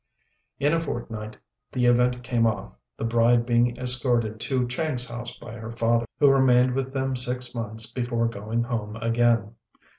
In a fortnight the event came off, the bride being escorted to Chang's house by her father, who remained with them six months before going home again.